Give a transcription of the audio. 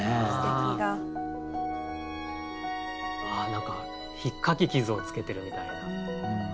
何かひっかき傷をつけてるみたいな。